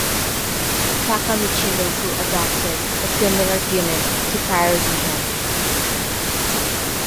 Taka Michinoku adopted a similar gimmick to parody him.